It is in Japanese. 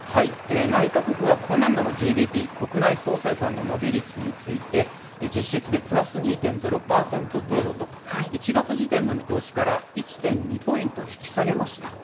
内閣府は今年度のＧＤＰ・国内総生産の伸び率について、実質でプラス２．０％程度と、１月時点の見通しから１．２ポイント引き下げました。